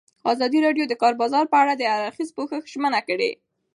ازادي راډیو د د کار بازار په اړه د هر اړخیز پوښښ ژمنه کړې.